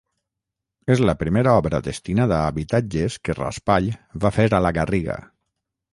És la primera obra destinada a habitatges que Raspall va fer a la Garriga.